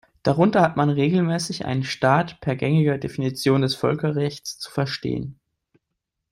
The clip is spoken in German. Darunter hat man regelmäßig einen Staat per gängiger Definition des Völkerrechts zu verstehen.